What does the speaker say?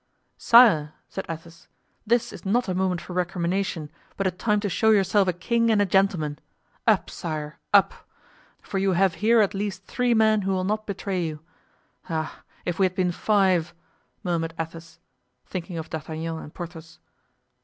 "Sire," said Athos, "this is not a moment for recrimination, but a time to show yourself a king and a gentleman. Up, sire! up! for you have here at least three men who will not betray you. Ah! if we had been five!" murmured Athos, thinking of D'Artagnan and Porthos.